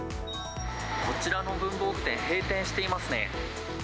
こちらの文房具店、閉店していますね。